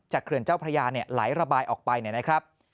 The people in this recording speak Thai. เขื่อนเจ้าพระยาไหลระบายออกไปนะครับ